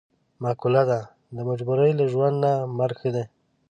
معقوله ده: د مجبورۍ له ژوند نه مرګ ښه دی.